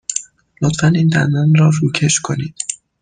لطفاً این دندان را روکش کنید.